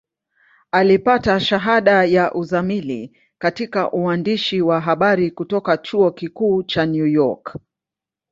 Alipata shahada ya uzamili katika uandishi wa habari kutoka Chuo Kikuu cha New York.